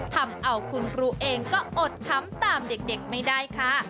ทำเอาคุณครูเองก็อดค้ำตามเด็กไม่ได้ค่ะ